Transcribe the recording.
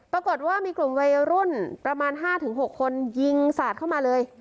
ปรากฏว่ามีกลุ่มวัยรุ่นประมาณ๕๖คนยิงสาดเข้ามาเลย